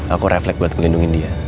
aku refleks buat ngelindungi dia